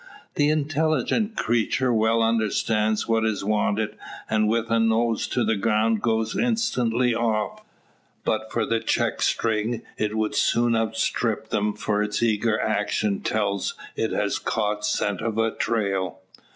The intelligent creature well understands what is wanted, and with nose to the ground goes instantly off. But for the check string it would soon outstrip them for its eager action tells it has caught scent of a trail.